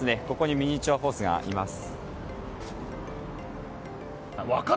ミニチュアホースがあります。